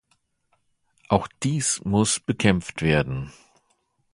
Auch dies muss bekämpft werden.